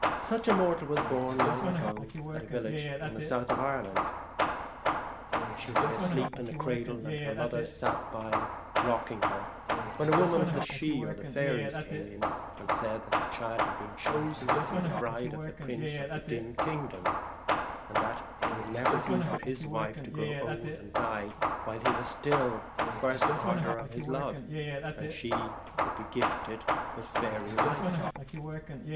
Such a mortal was born long ago at a village in the south of Ireland. She lay asleep in a cradle, and her mother sat by rocking her, when a woman of the Sidhe (the faeries) came in, and said that the child was chosen to be the bride of the prince of the dim kingdom, but that as it would never do for his wife to grow old and die while he was still in the first ardour of his love, she would be gifted with a faery life.